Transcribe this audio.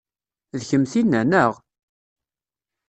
D kemm tinna, neɣ?